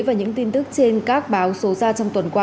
và những tin tức trên các báo số ra trong tuần qua